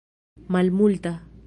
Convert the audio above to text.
malmulta